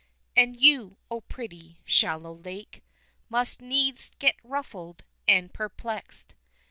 And you, O pretty, shallow lake, Must needs get ruffled and perplexed!